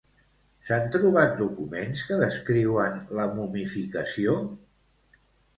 S'han trobat documents que descriuen la momificació?